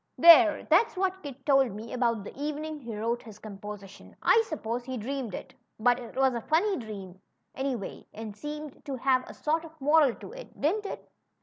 There ! that's what Kit told me about the evening he wrote his composition. I suppose he dreamed it ; but it was a funny dream, any way, and seemed to have a sort of moral to it. Didn't it